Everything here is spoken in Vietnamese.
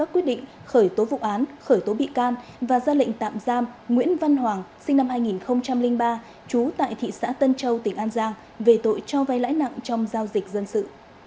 quyết định khởi tố vụ án khởi tố bị can và ra lệnh tạm giam nguyễn văn hoàng sinh năm hai nghìn ba trú tại thị xã tân châu tỉnh an giang về tội cho vay lãi nặng trong giao dịch dân sự